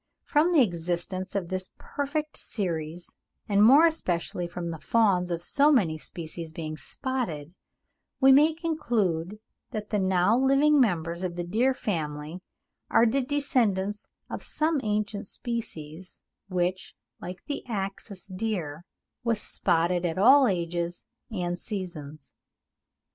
From the existence of this perfect series, and more especially from the fawns of so many species being spotted, we may conclude that the now living members of the deer family are the descendants of some ancient species which, like the axis deer, was spotted at all ages and seasons.